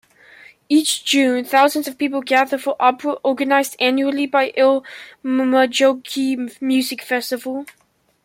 Each June, thousands of people gather for opera, organized annually by Ilmajoki Music Festival.